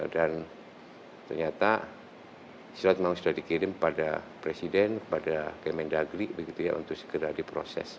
dan ternyata surat memang sudah dikirim pada presiden kepada kementerian negeri untuk segera diproses